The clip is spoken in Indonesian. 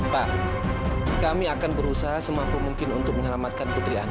pak kami akan berusaha semampu mungkin untuk menyelamatkan putri anda